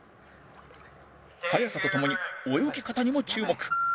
速さとともに泳ぎ方にも注目